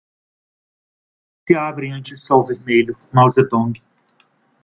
Mil girassóis se abrem ante o Sol Vermelho, Mao Zedong